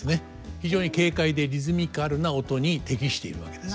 非常に軽快でリズミカルな音に適しているわけです。